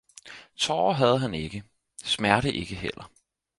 Taarer havde han ikke, Smerte ikke heller.